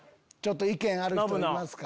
意見ある人いますか？